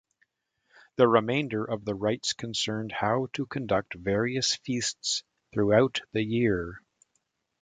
The remainder of the rites concern how to conduct various feasts throughout the year.